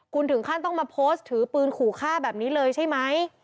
คุณถึงขั้นต้องมาโพสต์ถือปืนขู่ฆ่าแบบนี้เลยใช่ไหม